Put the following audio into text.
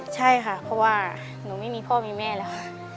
ใช่ค่ะเพราะว่าหนูไม่มีพ่อมีแม่แล้วค่ะ